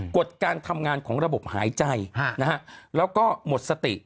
ดการทำงานของระบบหายใจแล้วก็หมดสติ